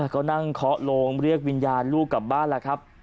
ก็นั่งเคาะโลงเรียกวิญญาณลูกกลับบ้านแล้วครับ